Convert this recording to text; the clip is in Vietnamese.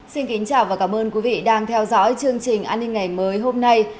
xin kính chào và cảm ơn quý vị đang theo dõi chương trình an ninh ngày mới hôm nay